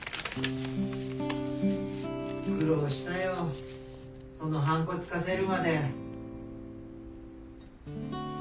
・苦労したよその判子つかせるまで。